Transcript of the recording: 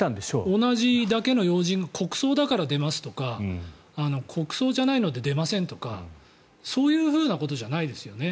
同じだけの要人が国葬だから出ますとか国葬じゃないので出ませんとかそういうことじゃないですよね。